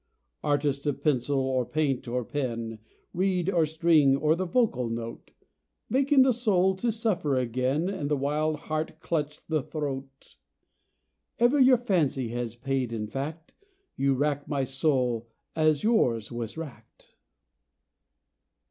Artist of pencil, or paint, or pen, Reed, or string, or the vocal note, Making the soul to suffer again And the wild heart clutch the throat; Ever your fancy has paid in fact; You rack my soul, as yours was racked.